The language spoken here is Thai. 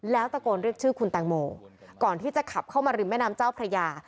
แล้วตะโกนเรียกชื่อคุณแตงโมก่อนที่จะขับเข้ามาริมแม่น้ำเจ้าพระยา